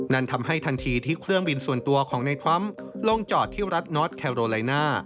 นั่นทำให้ทันทีที่เครื่องบินส่วนตัวของในทรัมป์ลงจอดที่รัฐน็อตแคโรไลน่า